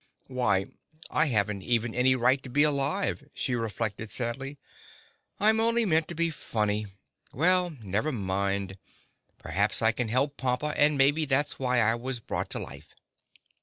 "Why, I haven't even any right to be alive," she reflected sadly. "I'm only meant to be funny. Well, never mind! Perhaps I can help Pompa and maybe that's why I was brought to life."